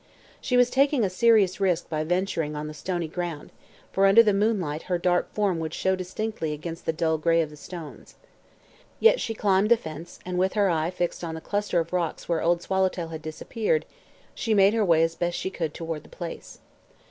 She was taking a serious risk by venturing on the stony ground, for under the moonlight her dark form would show distinctly against the dull gray of the stones. Yet she climbed the fence and with her eye fixed on the cluster of rocks where Old Swallowtail had disappeared she made her way as best she could toward the place.